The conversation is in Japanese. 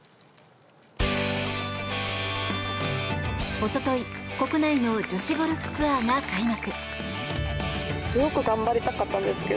おととい国内の女子ゴルフツアーが開幕。